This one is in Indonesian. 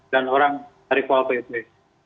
di mana ketiga penjaga ini